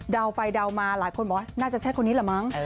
ไปเดามาหลายคนบอกว่าน่าจะใช่คนนี้แหละมั้ง